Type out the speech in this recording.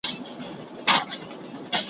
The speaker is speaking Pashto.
یو پل په لار کي پروت یمه پرېږدې یې او که نه `